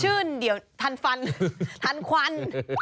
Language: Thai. เดี๋ยวทันฟันทันควัน